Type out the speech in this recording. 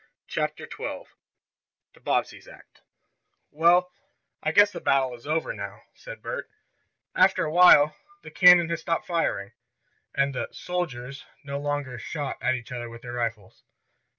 CHAPTER XII THE BOBBSEYS ACT "Well, I guess the battle is over now," said Bert, after a while. The cannon had stopped firing, and the "soldiers" no longer "shot" at each other with their rifles.